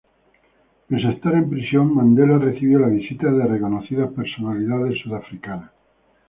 Pese a estar en prisión, Mandela recibió la visita de reconocidas personalidades sudafricanas.